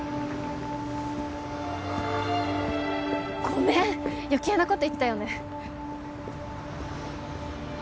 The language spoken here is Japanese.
ごめん余計なこと言ったよね